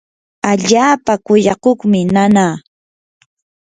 allaapa kuyakuqmi nanaa.